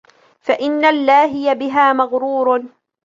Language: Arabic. فَإِنَّ اللَّاهِيَ بِهَا مَغْرُورٌ